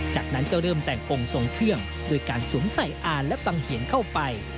จากนั้นก็เริ่มแต่งองค์ทรงเครื่องโดยการสวมใส่อ่านและบังเหียนเข้าไป